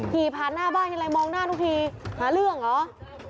ขี่ผ่านหน้าบ้านทีไรมองหน้าทุกทีหาเรื่องเหรอ